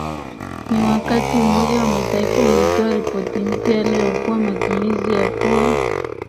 ni wakati Umoja wa mataifa umetoa ripoti mpya leo kuwa matumizi yaKuwa